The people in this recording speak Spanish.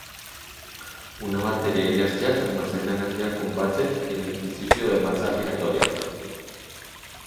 Una batería inercial almacena energía con base en el principio de masa giratoria.